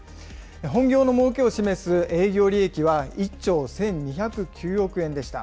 本業のもうけを示す営業利益は１兆１２０９億円でした。